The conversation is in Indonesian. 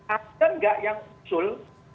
ada nggak yang usul